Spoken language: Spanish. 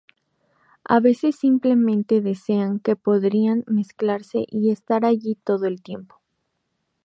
A veces simplemente desean que podrían mezclarse y estar allí todo el tiempo.